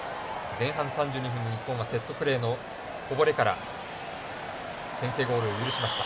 前半３２分に日本がセットプレーのこぼれから先制ゴールを許しました。